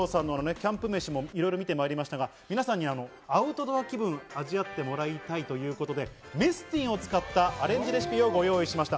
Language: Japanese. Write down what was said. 山下健二郎さんのキャンプ飯も見てまいりましたが、皆さんにアウトドア気分を味わってもらいたいということでメスティンを使ったアレンジレシピを用意しました。